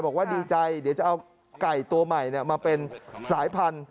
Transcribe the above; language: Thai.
บอกว่าดีใจเดี๋ยวจะเอาไก่ตัวใหม่มาเป็นสายพันธุ